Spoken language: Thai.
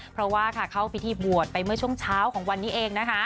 เพราะว่าเข้าพิธีบวชไปเมื่อช่วงเช้าของวันนี้เองนะคะ